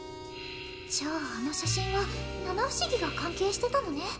じゃああの写真は七不思議が関係してたのね